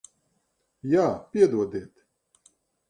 Jā. Piedodiet.